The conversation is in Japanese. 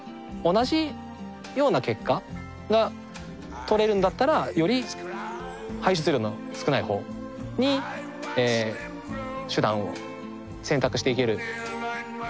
同じような結果がとれるんだったらより排出量の少ないほうに手段を選択していける。